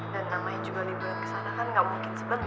dan namanya juga liburan kesana kan gak mungkin sebentar